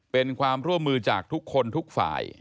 เป็นความร่วมมือจากทุกคนทุกฝ่าย